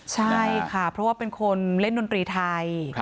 ใช่ค่ะเพราะว่าเป็นคนเล่นดนตรีไทย